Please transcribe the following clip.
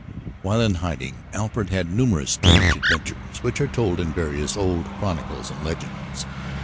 While in hiding Alfred had numerous strange adventures which are told in various old chronicles and legends.